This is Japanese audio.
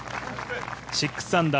６アンダー、